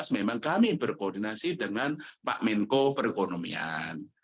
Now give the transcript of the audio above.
memang kami berkoordinasi dengan pak menko perekonomian